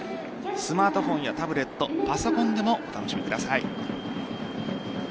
スマートフォンやタブレットパソコンでもお楽しみください。